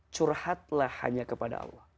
curhatlah hanya kepada allah